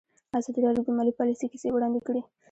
ازادي راډیو د مالي پالیسي کیسې وړاندې کړي.